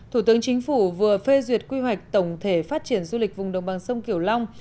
thủ tướng chính phủ vừa phê duyệt quy hoạch tổng thể phát triển du lịch vùng đồng bằng sông kiểu long